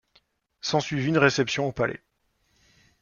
S'en suivit une réception au palais.